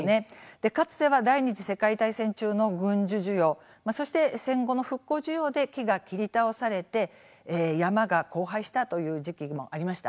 かつては第２次世界大戦中の軍需需要そして、戦後の復興需要で木が切り倒されて山が荒廃したという時期もありました。